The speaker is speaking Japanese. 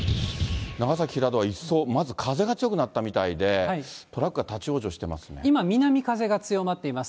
長崎・平戸は一層、まず風が強くなったみたいで、今、南風が強まっています。